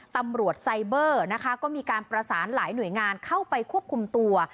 ตำรวจไซเบอร์นะคะก็มีการประสานหลายหน่วยงานเข้าไปควบคุมตัว